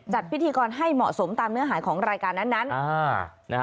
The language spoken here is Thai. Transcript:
จัดพิธีกรให้เหมาะสมตามเนื้อหายของรายการนั้น